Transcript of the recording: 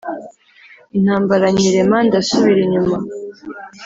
Intambara nyirema ndasubira inyuma